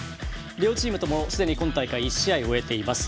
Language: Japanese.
両チームともすでに今大会、１試合を終えています。